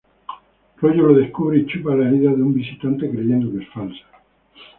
Rollo lo descubre y chupa la herida de un visitante creyendo que es falsa.